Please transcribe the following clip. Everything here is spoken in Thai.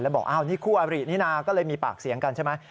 บอกอ้าวนี่คู่อบรินี่นะก็เลยมีปากเสียงกันใช่ไหม